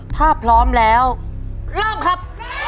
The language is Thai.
ถ้าพร้อมแล้วเริ่มครับ